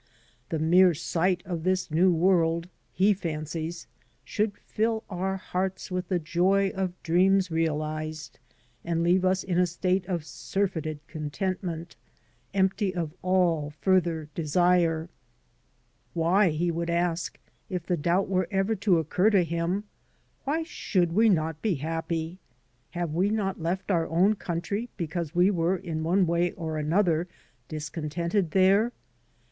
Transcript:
The mere sight of this new world, he fancies, should fill our hearts with the joy of dreams realized and leave us in a state of surfeited contentment, empty of all further desire. Why, he would ask, if the doubt were ever to occur to him — why should we not be happy? Have we not left our own country because we were in one way or another discontented there?